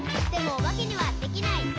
「でもおばけにはできない。」